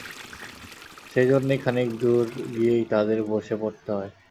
সেইজন্যেই খানিক দূর গিয়েই তাদের বসে পড়তে হয়।